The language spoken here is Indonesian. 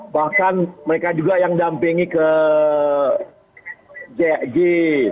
bahkan mereka juga yang dampingi ke jj